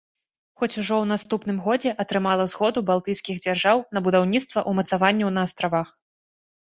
Хоць, ужо ў наступным годзе атрымала згоду балтыйскіх дзяржаў на будаўніцтва ўмацаванняў на астравах.